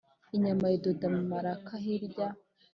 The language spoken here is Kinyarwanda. Inyama ayidonda mu maraka hirya,